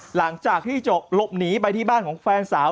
หลังจากที่หลบหนีไปที่บ้านของแฟนสาว